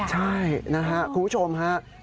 ใช่นะครับคุณผู้ชมฮะ